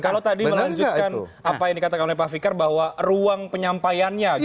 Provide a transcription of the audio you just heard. kalau tadi melanjutkan apa yang dikatakan oleh pak fikar bahwa ruang penyampaiannya gitu